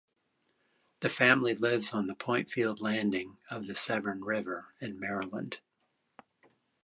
The family lives on the Pointefield Landing of the Severn River in Maryland.